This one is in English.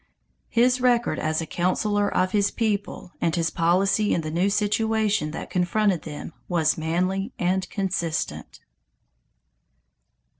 His record as a councilor of his people and his policy in the new situation that confronted them was manly and consistent.